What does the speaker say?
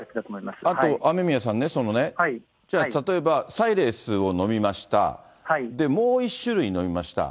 これ、あと雨宮さんね、じゃあ例えば、サイレースを飲みました、もう１種類飲みました。